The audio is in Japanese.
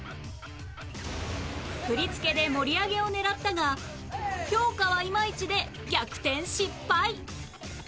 振り付けで盛り上げを狙ったが評価はイマイチで逆転失敗